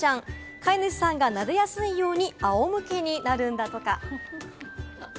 飼い主さんがなでやすいように、あお向けになるんだとか。